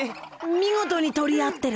見事に取り合ってる。